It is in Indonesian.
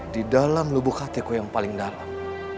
di dalam lubuk hatiko yang paling dalam